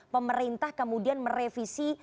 pemerintah kemudian merevisi